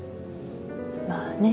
まあね